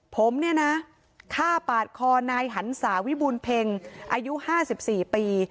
ผมเนี่ยนะข้าปาดคอนายหันศาวิบูลเพ็งอายุห้าสิบสี่ปี